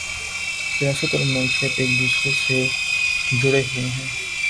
سیاست اور معیشت ایک دوسرے سے جڑے ہوئے ہیں